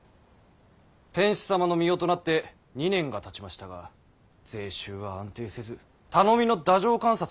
天子様の御代となって２年がたちましたが税収は安定せず頼みの太政官札は信用が薄い。